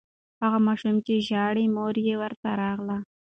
هغه ماشوم چې ژاړي، مور یې ورته راغله.